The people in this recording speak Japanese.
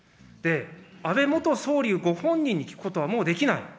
安倍元総理ご本人に聞くことはもうできない。